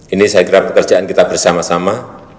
ini saya kira pekerjaan kita bersama sama